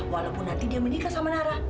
walaupun nanti dia menikah sama nara